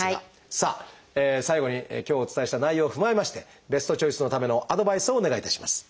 さあ最後に今日お伝えした内容を踏まえましてベストチョイスのためのアドバイスをお願いいたします。